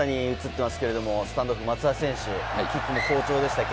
スタンドオフの松田選手、キックも好調でした。